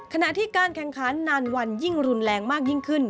ขณะที่การแข่งขันนานวันยิ่งรุนแรงมากยิ่งขึ้น